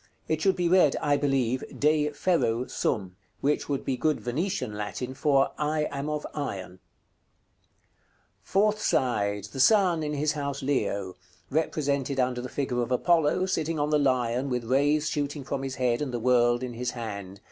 It should be read, I believe, "De ferro sum;" which would be good Venetian Latin for "I am of iron." § CXI. Fourth side. The Sun, in his house Leo. Represented under the figure of Apollo, sitting on the Lion, with rays shooting from his head, and the world in his hand.